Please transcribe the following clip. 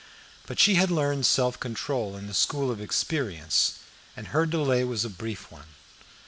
But she had learned self control in the school of experience, and her delay was a brief one.